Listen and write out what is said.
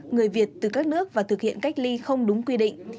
người việt từ các nước và thực hiện cách ly không đúng quy định